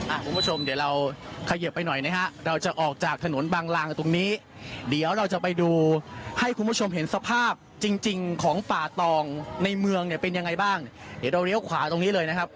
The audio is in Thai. คุณผู้ชมเดี๋ยวเราเขยิบไปหน่อยนะฮะเราจะออกจากถนนบางลางตรงนี้เดี๋ยวเราจะไปดูให้คุณผู้ชมเห็นสภาพจริงจริงของป่าตองในเมืองเนี่ยเป็นยังไงบ้างเดี๋ยวเราเลี้ยวขวาตรงนี้เลยนะครับ